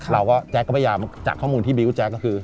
เราก็แจ๊กก็พยายามจากข้อมูลที่บิวตแจ๊คก็คือ